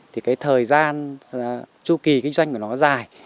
thì cái thời gian chu kỳ kinh doanh của nó dài